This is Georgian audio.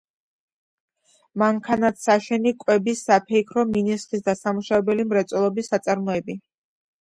მანქანათსაშენი, კვების, საფეიქრო, მინის, ხის დასამუშავებელი მრეწველობის საწარმოები.